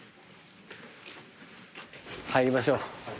入りましょう。